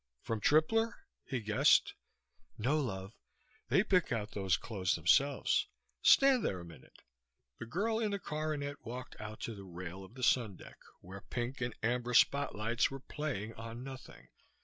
"From Tripler?" he guessed. "No, love. They pick out those clothes themselves. Stand there a minute." The girl in the coronet walked out to the rail of the sundeck, where pink and amber spotlights were playing on nothing.